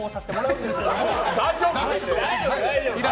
大丈夫？